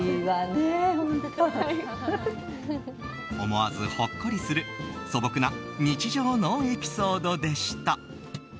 思わずほっこりする素朴な日常のエピソードでした。